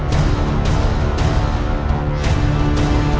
tidak ada apa apa